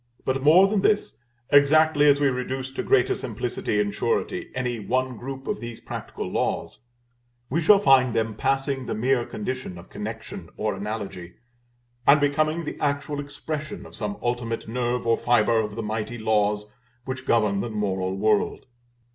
But, more than this, exactly as we reduce to greater simplicity and surety any one group of these practical laws, we shall find them passing the mere condition of connection or analogy, and becoming the actual expression of some ultimate nerve or fibre of the mighty laws which govern the moral world.